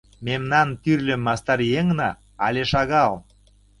Мемнан тӱрлӧ мастар еҥна але шагал.